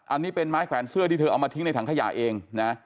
อันนี้เป็นไม้แขวนเสื้อที่เธอเอามาทิ้งในถังขยะเองนะ